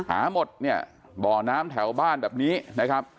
หาหมดเนี่ยบ่อน้ำแถวบ้านแบบนี้นะครับ